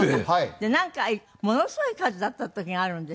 なんかものすごい数だった時があるんでしょ？